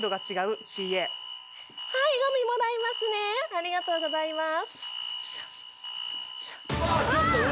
ありがとうございます。